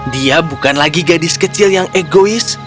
dia bukan lagi gadis kecil yang egois